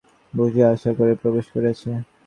বুঝিল, আশা ঘরে প্রবেশ করিয়াছে।